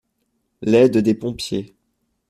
L’aide des pompiers.